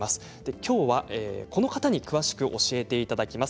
きょうは、この方に詳しく教えていただきます。